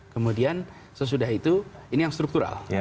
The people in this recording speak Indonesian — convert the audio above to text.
kemudian sesudah itu ini yang struktural